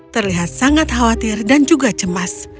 terlihat sangat khawatir dan juga cemas